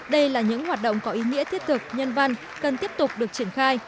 đây là những hoạt động có ý nghĩa thiết thực nhân văn cần tiếp tục được triển khai